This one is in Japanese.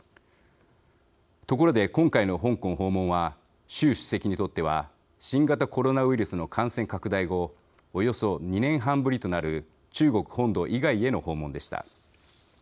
ところで、今回の香港訪問は習主席にとっては新型コロナウイルスの感染拡大後およそ２年半ぶりとなる中国本土以外への訪問でした。